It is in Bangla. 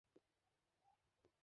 গোলাপজামের মতো হয়েছে।